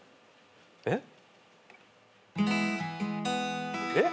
えっ？えっ？